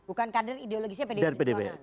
bukan kader ideologisnya pdi perjuangan